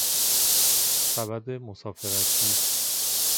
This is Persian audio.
سبد مسافرتی